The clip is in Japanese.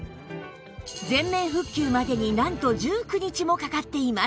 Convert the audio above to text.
全面復旧までになんと１９日もかかっています